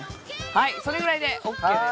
はいそれぐらいでＯＫです。